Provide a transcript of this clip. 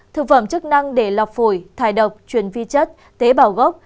thực phẩm chức năng để lọc phổi thải độc truyền vi chất tế bảo gốc